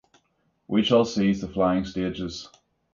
We shall seize the flying stages.